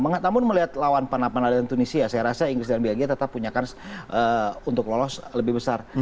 namun melihat lawan panah panah dan tunisia saya rasa inggris dan belgia tetap punya kans untuk lolos lebih besar